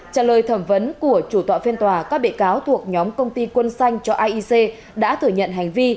trả lời thẩm vấn của chủ tọa phiên tòa các bị cáo thuộc nhóm công ty quân xanh cho aic đã thừa nhận hành vi